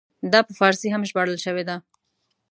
دا په فارسي هم ژباړل شوی دی.